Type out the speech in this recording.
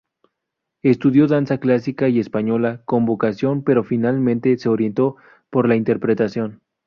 Estudió danza clásica y española con vocación pero finalmente se orientó por la interpretación.